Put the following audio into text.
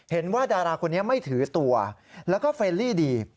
ดาราคนนี้ไม่ถือตัวแล้วก็เฟรลี่ดี